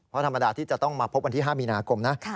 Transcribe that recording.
เพราะธรรมดาที่จะต้องมาพบวันที่๕มีนาคมนะ